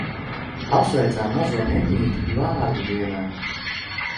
Apsveicām mazo Emīti vārda dienā.